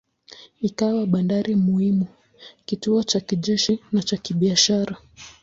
Ikawa bandari muhimu, kituo cha kijeshi na cha kibiashara.